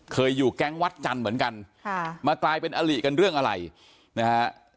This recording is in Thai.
อยู่แก๊งวัดจันทร์เหมือนกันค่ะมากลายเป็นอลิกันเรื่องอะไรนะฮะ